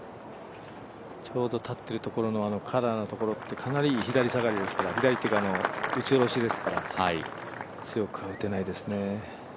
ちょうど立ってるところのカラーのところってかなり左下がりですから左というか打ち下ろしですから、強くは打てないですね。